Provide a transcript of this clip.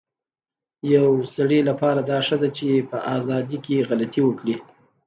يو سړي لپاره دا ښه ده چي په ازادی کي غلطي وکړی